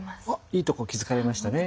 いいとこ気付かれましたね。